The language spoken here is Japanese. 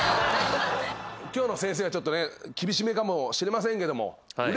今日の先生は厳しめかもしれませんけども。